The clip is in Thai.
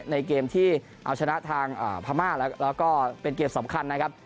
ในเกมที่เอาชนะทางพม่าแล้วก็เป็นเกมสำคัญนะครับ